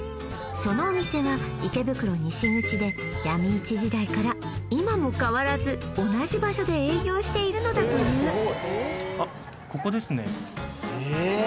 そのお店は池袋西口で闇市時代から今も変わらず同じ場所で営業しているのだというええ！？